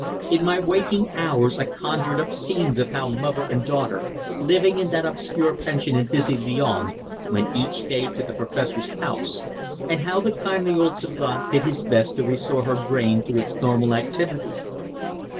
In my waking hours I conjured up scenes of how mother and daughter, living in that obscure pension in busy Lyons, went each day to the Professor's house, and how the kindly old savant did his best to restore her brain to its normal activity.